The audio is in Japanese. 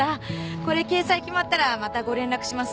これ掲載決まったらまたご連絡します。